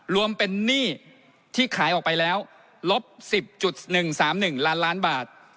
รวมเป็นหนี้ที่ขายออกไปแล้วลบ๑๐๑๓๑ล้านล้านบาท